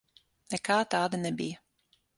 Nekā tāda nebija.